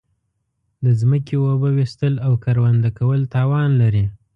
د زمکی اوبه ویستل او کرونده کول تاوان لری